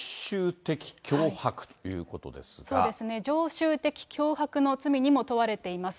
そうですね、常習的脅迫の罪にも問われています。